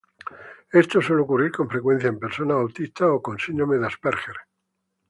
Esto suele ocurrir con frecuencia en personas autistas o con síndrome de Asperger.